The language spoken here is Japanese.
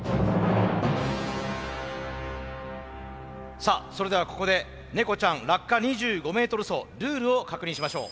さあそれではここでネコちゃん落下２５ｍ走ルールを確認しましょう。